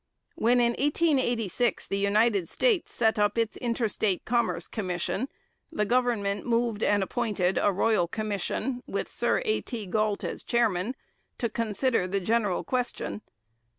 When in 1886 the United States set up its Interstate Commerce Commission, the government moved and appointed a royal commission, with Sir A. T. Galt as chairman, to consider the general question.